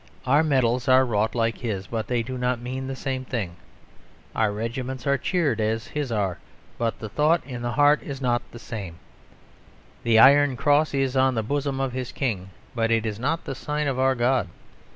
Our medals are wrought like his, but they do not mean the same thing; our regiments are cheered as his are, but the thought in the heart is not the same; the Iron Cross is on the bosom of his king, but it is not the sign of our God.